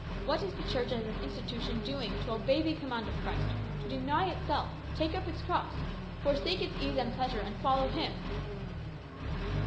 What is the Church as an institution doing to obey the command of Christ, to deny itself, take up its cross, forsake its ease and pleasure, and follow Him?"